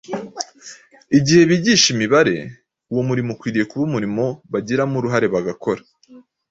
Igihe bigishwa imibare, uwo murimo ukwiriye kuba umurimo bagiramo uruhare bagakora.